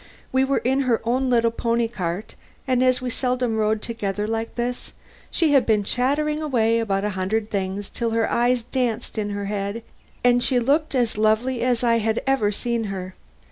We were in her own little pony cart, and as we seldom rode together like this, she had been chattering about a hundred things till her eyes danced in her head and she looked as lovely as I had ever seen her.